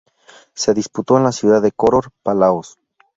Se disputó en la ciudad de Koror, Palaos.